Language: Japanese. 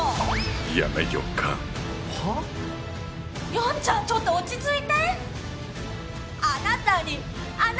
ヤンちゃんちょっと落ち着いて！